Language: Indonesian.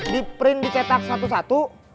di print dicetak satu satu